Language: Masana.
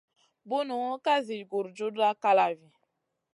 Bunu ka zi gurjuda kalavi.